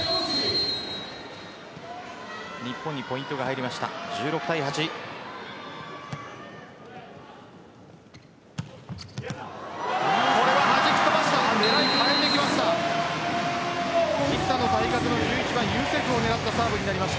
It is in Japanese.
日本にポイントが入りました。